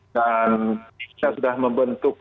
dan kita sudah membentuk